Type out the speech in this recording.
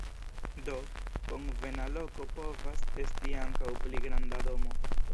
Do, konvena loko povas esti ankaŭ pli granda domo.